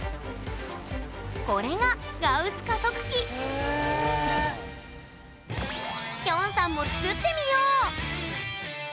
これがガウス加速機きょんさんも作ってみよう！